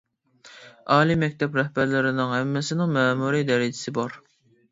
ئالىي مەكتەپ رەھبەرلىرىنىڭ ھەممىسىنىڭ مەمۇرىي دەرىجىسى بار.